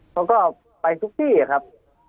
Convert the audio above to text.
เขาก็ไปทุกที่ครับ